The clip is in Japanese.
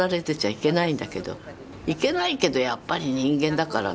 いけないけどやっぱり人間だからね。